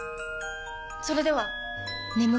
それでは！